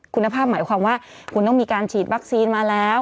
คุณภาพหมายความว่าคุณต้องมีการฉีดวัคซีนมาแล้ว